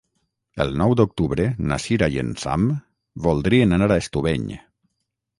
El nou d'octubre na Cira i en Sam voldrien anar a Estubeny.